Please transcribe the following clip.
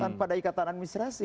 tanpa ada ikatan administrasi